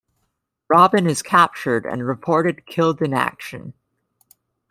Robin is captured and reported killed in action.